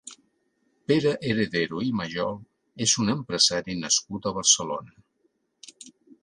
Pere Heredero i Mayol és un empresari nascut a Barcelona.